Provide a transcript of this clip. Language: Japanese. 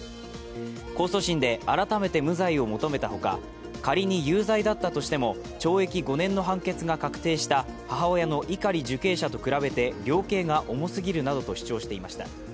控訴審で改めて無罪を求めたほか、仮に有罪だったとしても、懲役５年の判決が確定した母親の碇受刑者と比べて量刑が重すぎるなどと主張していました。